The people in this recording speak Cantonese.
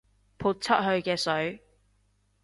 潑出去嘅水